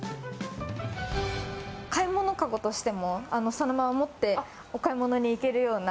買い物カゴとしても、そのまま持ってお買い物に行けるような。